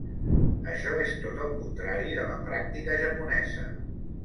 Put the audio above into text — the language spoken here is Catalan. Això és tot el contrari de la pràctica japonesa.